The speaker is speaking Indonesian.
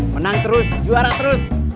menang terus juara terus